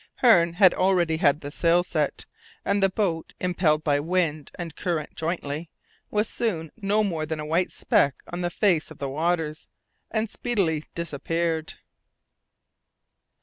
Hearne had already had the sail set, and the boat, impelled by wind and current jointly, was soon no more than a white speck on the face of the waters, and speedily disappeared.